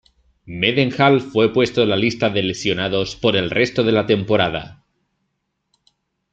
Mendenhall fue puesto en la lista de lesionados por el resto de la temporada.